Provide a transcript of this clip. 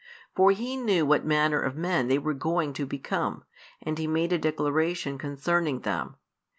For He knew what manner of men they were going to become, and He made a declaration concerning them.